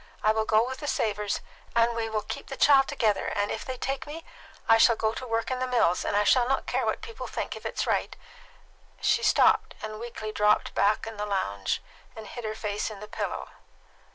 I will go with the Savors, and we will keep the child together; and if they will take me, I shall go to work in the mills; and I shall not care what people think, if it's right " She stopped and weakly dropped back on the lounge, and hid her face in the pillow.